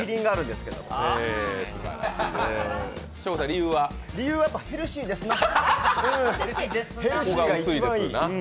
理由はヘルシーですね。